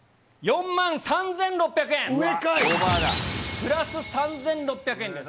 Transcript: プラス３６００円です。